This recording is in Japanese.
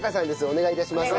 お願いします。